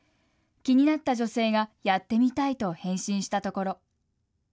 気になった女性がやってみたいと返信したところ。